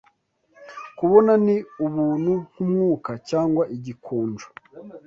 Kubona ni ubuntu nkumwuka - cyangwa igikonjo